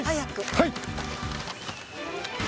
はい！